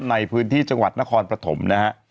ในพื้นที่จังหวัดนครปฐมนะฮะ